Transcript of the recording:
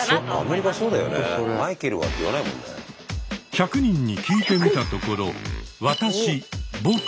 １００人に聞いてみたところ「わたし」「ぼく」